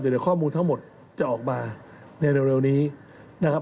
เดี๋ยวข้อมูลทั้งหมดจะออกมาในเร็วนี้นะครับ